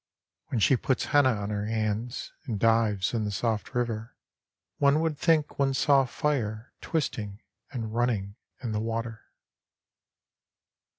When she puts henna on her hands and dives in the soft river One would think one saw fire twisting and running in the water.